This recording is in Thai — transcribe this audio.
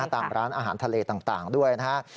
ตามร้านอาหารทะเลต่างด้วยนะครับ